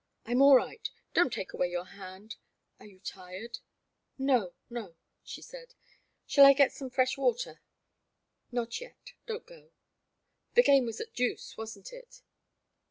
I 'm all right — don't take away your hand ; are you tired ?" *'No, no," she said, shall I get some fresh water?" Not yet — don't go. The game was at deuce, wasn't it?